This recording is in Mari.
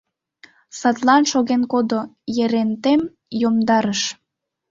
Садлан шоген кодо, Ерентем йомдарыш...